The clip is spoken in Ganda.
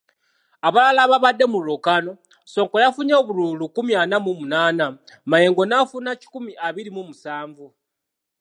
Abalala ababadde mu lwokaano, Ssonko yafunye obululu lukumi ana mu munaana, Mayengo n'afuna kikumi abiri mu musanvu.